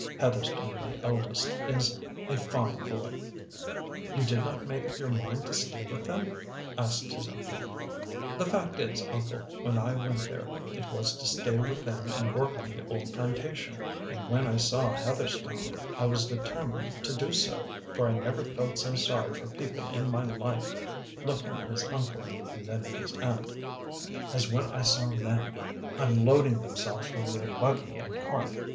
Heatherstone, the eldest, is a fine boy." " You did not make up your mind to stay with them? " asked his uncle. " The fact is, Uncle, when I went there, it was to stay with them and work on the old plantation; and when I saw Heatherstone, I was determined to do so, for I never felt so sorry for people in my life," looking at his uncle and then at his aunt, " as when I saw them WALKING THE RAINBOW 123 unloading themselves from their buggy and cart.